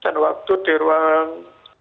dan waktu di ruang